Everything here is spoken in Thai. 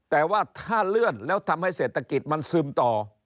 แต่ว่าถ้าเลื่อนแล้วทำให้เศรษฐกิจมันซึมต่อ